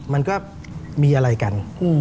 มันก็มีอะไรกัน